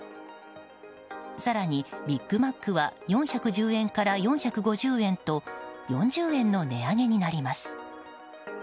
更に、ビッグマックは４１０円から４５０円と４０円の値上げになります。